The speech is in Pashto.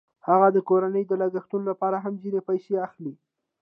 هغه د کورنۍ د لګښتونو لپاره هم ځینې پیسې اخلي